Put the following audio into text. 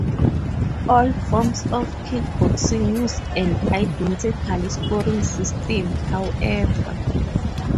All forms of kickboxing use an identical scoring system, however.